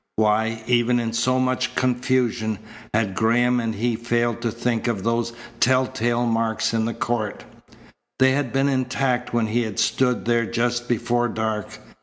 Why, even in so much confusion, had Graham and he failed to think of those tell tale marks in the court? They had been intact when he had stood there just before dark.